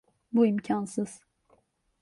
Bu imkânsız.